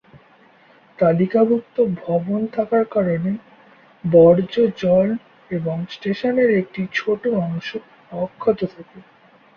তালিকাভুক্ত ভবন থাকার কারণে বর্জ্য জল এবং স্টেশনের একটি ছোট্ট অংশ অক্ষত থাকে।